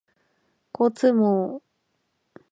交通網